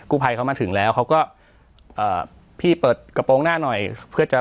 ภัยเขามาถึงแล้วเขาก็เอ่อพี่เปิดกระโปรงหน้าหน่อยเพื่อจะ